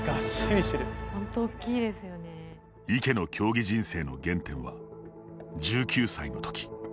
池の競技人生の原点は１９歳の時。